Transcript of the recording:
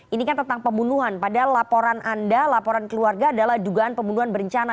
ini kan tentang pembunuhan padahal laporan anda laporan keluarga adalah dugaan pembunuhan berencana